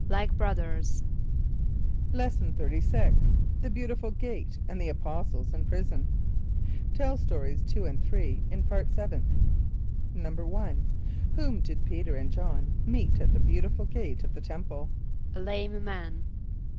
=Like brothers.= Lesson XXXVI. The Beautiful Gate, and the Apostles in Prison. (Tell Stories 2 and 3 in Part Seventh.) =1.= Whom did P[=e]´t[~e]r and J[)o]hn meet at the Beautiful Gate of the temple? =A lame man.